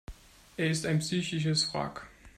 Er ist ein psychisches Wrack.